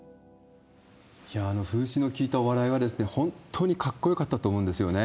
あの風刺の利いたお笑いは、本当にかっこよかったと思うんですよね。